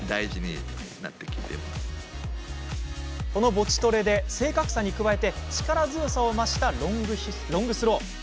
ボチトレで正確さに加えて力強さを増したロングスロー。